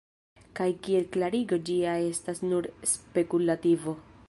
Kaj kiel klarigo ĝi ja estas nur spekulativo.